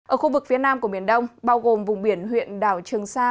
ở khu vực phía nam của biển đông bao gồm vùng biển huyện đảo trường sa